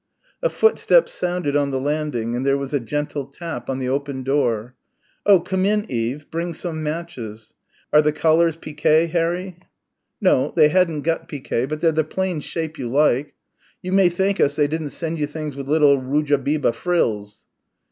A footstep sounded on the landing and there was a gentle tap on the open door. "Oh, come in, Eve bring some matches. Are the collars piquet, Harry?" "No, they hadn't got piquet, but they're the plain shape you like. You may thank us they didn't send you things with little rujabiba frills."